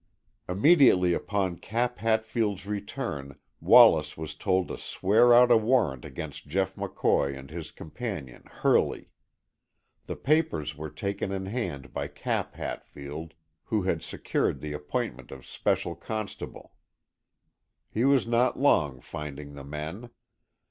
Immediately upon Cap Hatfield's return Wallace was told to swear out a warrant against Jeff McCoy and his companion Hurley. The papers were taken in hand by Cap Hatfield, who had secured the appointment of special constable. He was not long finding the men.